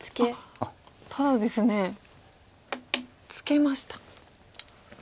あっただですねツケました。